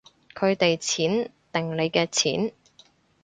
佢哋錢定你嘅錢